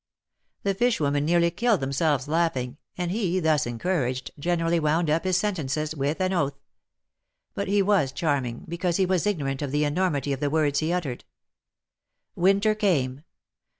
The fish women nearly killed themselves laughing, and he, thus encouraged, generally wound up his sentences vdth an oath. But he was charming, because he was ignorant of the enormity of the words he uttered. Winter came.